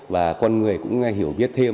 và con người cũng hiểu biết thêm